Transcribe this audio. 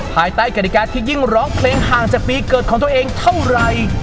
ภายใต้กฎิกาที่ยิ่งร้องเพลงห่างจากปีเกิดของตัวเองเท่าไหร่